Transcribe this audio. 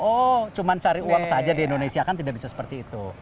oh cuma cari uang saja di indonesia kan tidak bisa seperti itu